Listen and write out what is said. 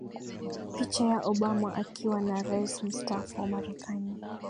picha ya Obama akiwa na Rais Mstaafu wa Marekani